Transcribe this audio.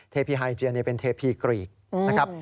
พีไฮเจียเป็นเทพีกรีกนะครับ